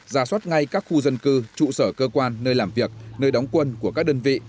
ra soát ngay các khu dân cư trụ sở cơ quan nơi làm việc nơi đóng quân của các đơn vị